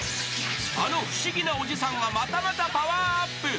［あの不思議なおじさんがまたまたパワーアップ］